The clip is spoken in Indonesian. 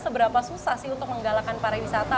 seberapa susah sih untuk menggalakkan pariwisata